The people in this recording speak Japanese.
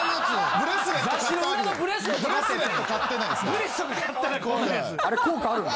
ブレスレット買ってないですから。